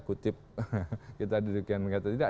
kita didirikan mengatakan tidak